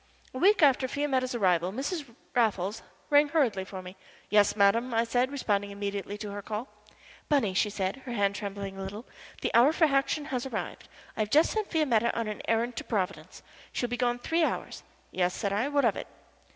A week after Fiametta's arrival Mrs. Raffles rang hurriedly for me. "Yes, madam," I said, responding immediately to her call. "Bunny," she said, her hand trembling a little, "the hour for action has arrived. I have just sent Fiametta on an errand to Providence. She will be gone three hours." "Yes!" said I. "What of it?"